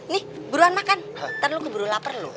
nih buruan makan ntar lu keburu lapar lu